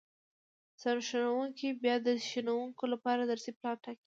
سرښوونکی بیا د ښوونکو لپاره درسي پلان ټاکي